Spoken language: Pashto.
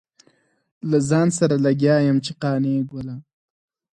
له ځان سره لګيا يم چې قانع ګله.